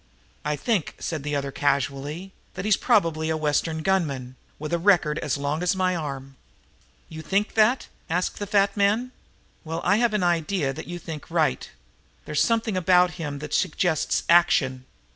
"I think," said the other casually, "that he's probably a Western gunman, with a record as long as my arm." "You think that?" asked the fat man. "Well, I've an idea that you think right. There's something about him that suggests action.